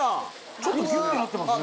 ちょっとギュッてなってますね。